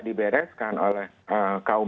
dibereskan oleh kaum